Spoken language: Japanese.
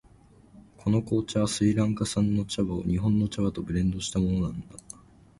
この紅茶はスリランカ産の茶葉を日本の茶葉とブレンドしたものなんだ。